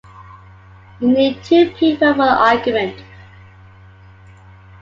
You need two people for an argument.